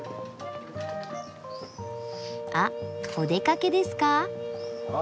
あっお出かけですか？